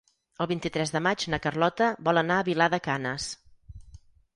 El vint-i-tres de maig na Carlota vol anar a Vilar de Canes.